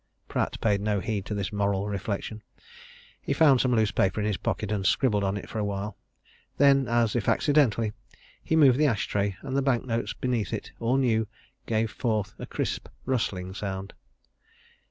Pratt paid no heed to this moral reflection. He found some loose paper in his pocket and scribbled on it for a while. Then, as if accidentally, he moved the ash tray, and the bank notes beneath it, all new, gave forth a crisp, rustling sound.